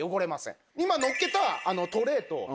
今のっけたトレーと焼き網。